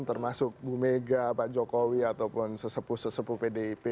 termasuk bu mega pak jokowi ataupun sesepu sesepu pdip